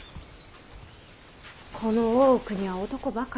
この大奥には男ばかり。